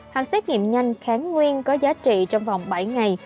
hàng xét nghiệm nhanh kháng nguyên có giá trị trong vòng bảy ngày